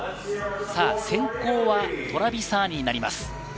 先攻はトラビサーニになります。